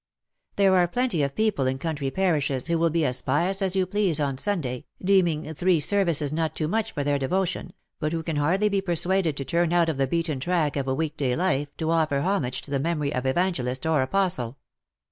There are plenty of people in country parishes who will be as pious as you please on Sunday, deeming three services not too much for their devotion, but who can hardly be persuaded to turn out of the beaten track of week day life to offer homage to the memory of Evangelist or Apostle.